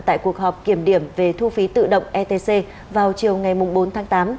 tại cuộc họp kiểm điểm về thu phí tự động etc vào chiều ngày bốn tháng tám